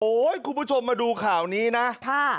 คุณผู้ชมมาดูข่าวนี้นะ